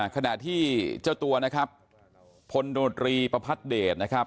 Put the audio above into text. ขณะที่ตัวพลนตรีประพัดเดต